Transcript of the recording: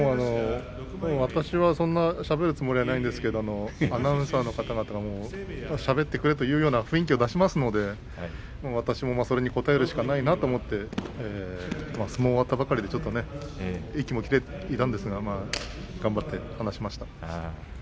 私はそんなにしゃべるつもりはないんですがアナウンサーの方々もしゃべってくれというような雰囲気を出しますので私もそれに答えるしかないなと思って相撲が終わったばっかりで息も切れていたんですが頑張って話しました。